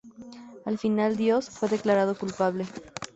Al final Dios fue declarado culpable.